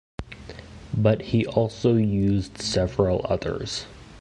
But he also used several others.